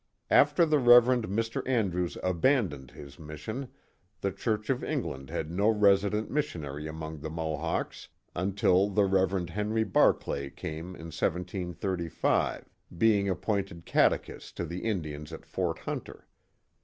After the Rev. Mr. Andrews abandoned his mission, the Church of England had no resident missionary among the Mohawks until the Rev. Henry Barclay came in 1735, being appointed catechist to the Indians at Fort Hunter.